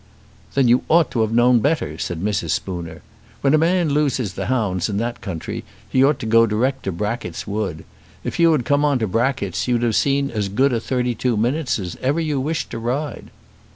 "Then you ought to have known better," said Mrs. Spooner. "When a man loses the hounds in that country, he ought to go direct to Brackett's Wood. If you had come on to Brackett's, you'd have seen as good a thirty two minutes as ever you wished to ride."